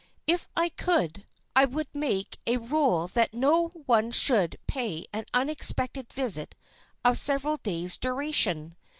If I could, I would make a rule that no one should pay an unexpected visit of several days' duration.